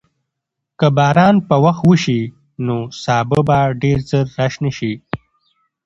که باران په وخت وشي، نو سابه به ډېر ژر راشنه شي.